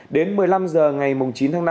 đến một mươi năm h ngày chín tháng năm